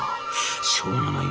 しょうがないな。